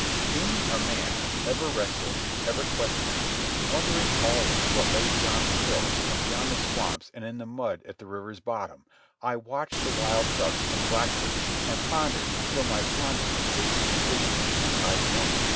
Being a man, ever restless, ever questing, wondering always what lay beyond the hills and beyond the swamps and in the mud at the river's bottom, I watched the wild ducks and blackbirds and pondered till my pondering gave me vision and I saw.